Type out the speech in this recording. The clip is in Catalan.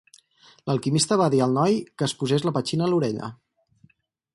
L'alquimista va dir al noi que es posés la petxina a l'orella.